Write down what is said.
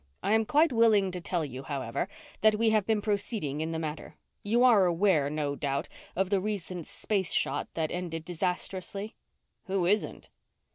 I am quite willing to tell you, however, that we have been proceeding in the matter. You are aware, no doubt, of the recent space shot that ended disastrously?" "Who isn't?"